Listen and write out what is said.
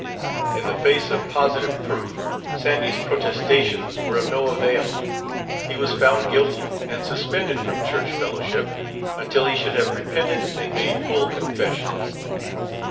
In the face of positive proof, Sandy's protestations were of no avail; he was found guilty, and suspended from church fellowship until he should have repented and made full confession.